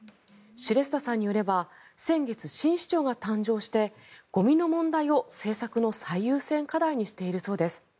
シュレスタさんによれば先月、新市長が誕生してゴミの問題を政策の最優先課題にしているそうです。